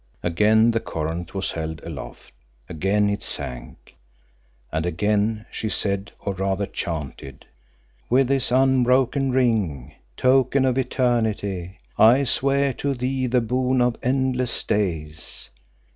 Again the coronet was held aloft, again it sank, and again she said or rather chanted "With this unbroken ring, token of eternity, I swear to thee the boon of endless days.